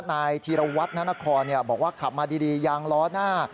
นายธีรวัฒนานครบอกว่าขับมาดียางล้อหน้า